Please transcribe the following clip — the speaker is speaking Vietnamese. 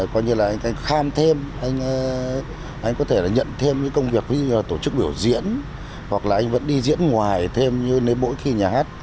có như là anh khám thêm anh có thể là nhận thêm những công việc như là tổ chức biểu diễn hoặc là anh vẫn đi diễn ngoài thêm như nếu mỗi khi nhà hát